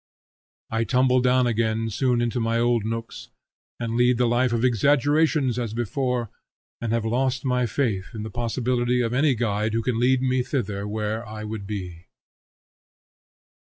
I tumble down again soon into my old nooks, and lead the life of exaggerations as before, and have lost my faith in the possibility of any guide who can lead me thither where I would be.